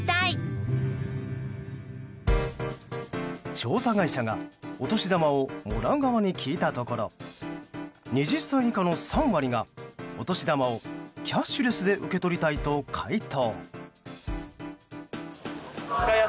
調査会社がお年玉をもらう側に聞いたところ２０歳以下の３割がお年玉をキャッシュレスで受け取りたいと回答。